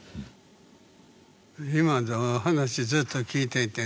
今の話ずっと聞いていてね。